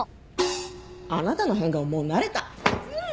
あなたの変顔もう慣れた。